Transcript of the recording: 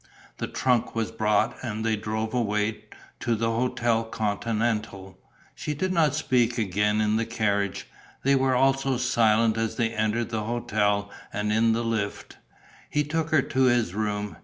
The trunk was brought and they drove away, to the Hôtel Continental. She did not speak again in the carriage. They were also silent as they entered the hotel and in the lift. He took her to his room.